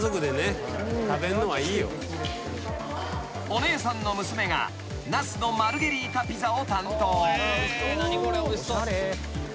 ［お姉さんの娘がナスのマルゲリータピザを担当］